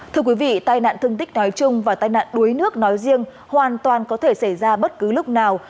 thưa quý vị tai nạn thương tích nói chung và tai nạn đuối nước nói riêng hoàn toàn có thể xảy ra bất cứ lúc nào